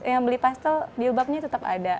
yang beli pastel dielbapnya tetap ada